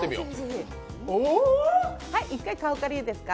１回、顔からいいですか。